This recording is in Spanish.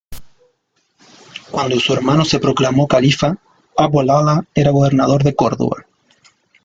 Cuando su hermano se proclamó califa, Abu l-Ola era gobernador de Córdoba.